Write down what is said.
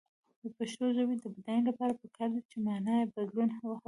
د پښتو ژبې د بډاینې لپاره پکار ده چې معنايي بدلون هڅول شي.